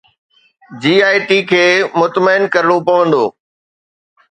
جي I T کي مطمئن ڪرڻو پوندو.